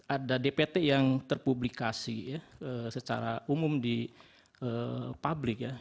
ada dpt yang terpublikasi secara umum di publik ya